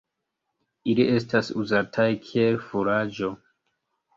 Ili estas uzataj kiel furaĝo.